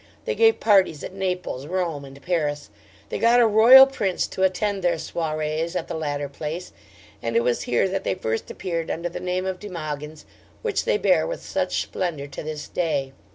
They gave parties at Naples, Rome, and Paris. They got a Royal Prince to attend their SOIREES at the latter place, and it was here that they first appeared under the name of De Mogyns, which they bear with such splendour to this day.